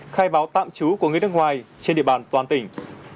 khai báo tạm trú của người nước ngoài trên địa bàn toàn tỉnh